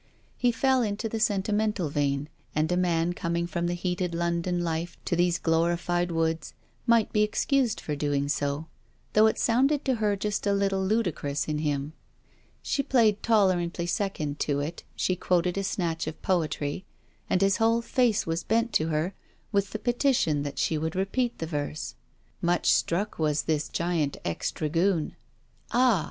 He fell into the sentimental vein, and a man coming from that heated London life to these glorified woods, might be excused for doing so, though it sounded to her just a little ludicrous in him. She played tolerantly second to it; she quoted a snatch of poetry, and his whole face was bent to her, with the petition that she would repeat the verse. Much struck was this giant ex dragoon. Ah!